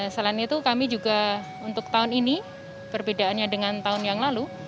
selain itu kami juga untuk tahun ini perbedaannya dengan tahun yang lalu